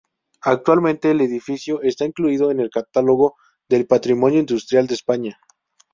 Actualmente el edificio está incluido en el Catálogo del Patrimonio Industrial de España.